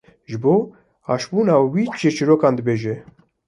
ji bona aşbûna wî çîrçîrokan dibêje.